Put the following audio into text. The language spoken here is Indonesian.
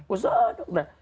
usaha dong ya